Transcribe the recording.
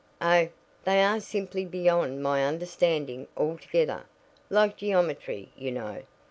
"Oh, they are simply beyond my understanding altogether. Like geometry, you know.